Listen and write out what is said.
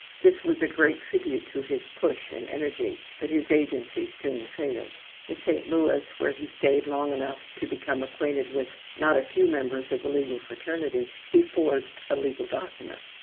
This was a great tribute to his push and energy, but his agency soon failed. In St. Louis, where he stayed long enough to become acquainted with not a few members of the legal fraternity, he forged a legal document.